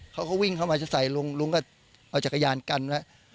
เขาก็วิ่งเข้ามาจะใส่ลุงลุงก็เอาจักรยานกันไว้